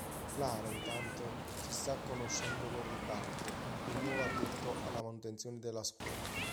Clara intanto si sta conoscendo con Ricardo, il nuovo addetto alla manutenzione della scuola.